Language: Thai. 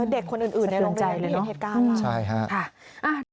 เด็กคนอื่นในโรงเรียนเหตุการณ์ล่ะใช่ค่ะสำคัญเลยนะ